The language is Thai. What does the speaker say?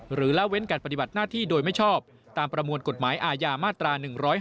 ละเว้นการปฏิบัติหน้าที่โดยไม่ชอบตามประมวลกฎหมายอาญามาตรา๑๕